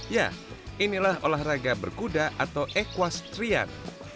ya inilah olahraga berkuda atau equastrian